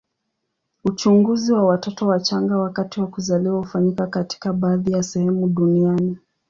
Uchunguzi wa watoto wachanga wakati wa kuzaliwa hufanyika katika baadhi ya sehemu duniani.